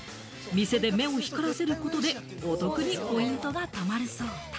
店で目を光らせることでお得にポイントがたまるそうだ。